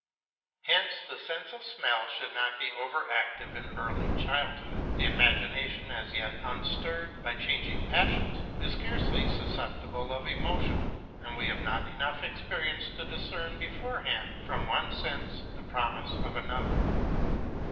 Hence the sense of smell should not be over active in early childhood; the imagination, as yet unstirred by changing passions, is scarcely susceptible of emotion, and we have not enough experience to discern beforehand from one sense the promise of another.